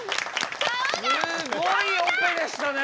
すごいオペでしたね！